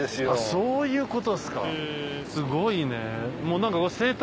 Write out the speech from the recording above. そういうことですか。